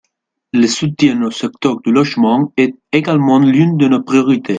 Le soutien au secteur du logement est également l’une de nos priorités.